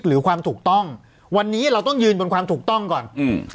หรือความถูกต้องวันนี้เราต้องยืนบนความถูกต้องก่อนอืม